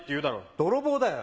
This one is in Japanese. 泥棒だよ。